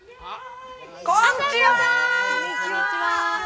こんにちは。